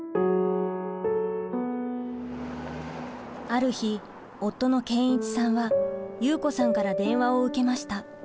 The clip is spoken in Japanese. ある日夫の健一さんは祐子さんから電話を受けました。